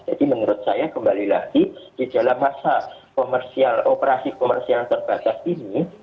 jadi menurut saya kembali lagi di dalam masa operasi komersial terbatas ini